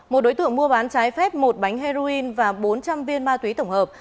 một đối tượng mua bán trái phép một bánh heroin và bốn trăm linh viên ma túy tổng hợp